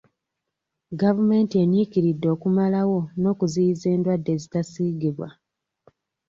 Gavumenti enyiikiridde okumalawo n'okuziyiza endwadde ezitasiigibwa.